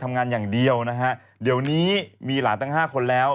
ทำงานอย่างเดียวนะฮะเดี๋ยวนี้มีหลานตั้งห้าคนแล้ว